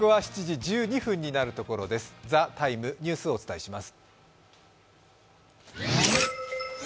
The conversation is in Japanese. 「ＴＨＥＴＩＭＥ，」ニュースをお伝えします。